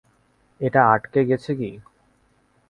এটা আটকে গেছে -কী?